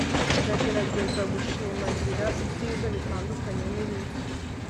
ndagerageza gushimangira ibyiza bitandukanye n'ibibi